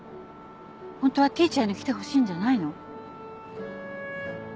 ホントはＴｅａｃｈｅｒに来てほしいんじゃないの？